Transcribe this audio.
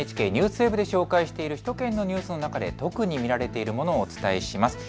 ＮＨＫＮＥＷＳＷＥＢで紹介している首都圏のニュースの中で特に見られているものをお伝えします。